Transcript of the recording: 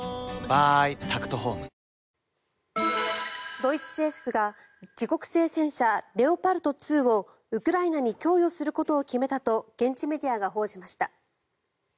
ドイツ政府が自国製戦車レオパルト２をウクライナに供与することを決めたと現地メディアが報じました。